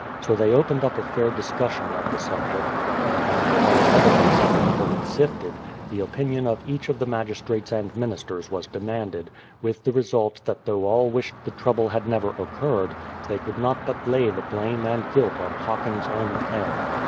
So they opened up a fair discussion of the subject, and after all evidence had been fully sifted, the opinion of each of the magistrates and ministers was demanded, with the result that though all wished the trouble had never occurred, they could not but lay the blame and guilt on Hocking's own head.